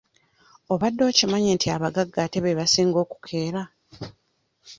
Obadde okimanyi nti abagagga ate be basinga okukeera?